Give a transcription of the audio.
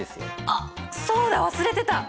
あっそうだ忘れてた！